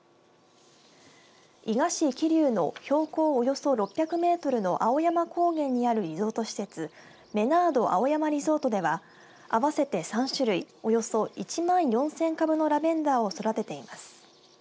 伊賀市霧生の標高およそ６００メートルの青山高原にあるリゾート施設メナード青山リゾートでは合わせて３種類およそ１万４０００株のラベンダーを育てています。